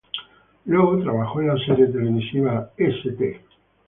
Luego, trabajó en la serie televisiva "St.